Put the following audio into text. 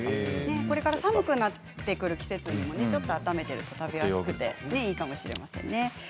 これから寒くなってくる季節にもちょっと温めると、食べやすくていいかもしれないですね。